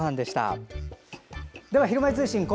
では「ひるまえ通信」です。